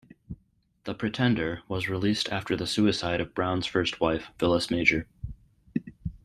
"The Pretender" was released after the suicide of Browne's first wife, Phyllis Major.